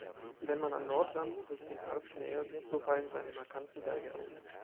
Wenn man am Nordrand sich dem Harz nähert, so fallen seine markanten Berge auf.